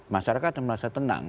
masyarakat akan merasa tenang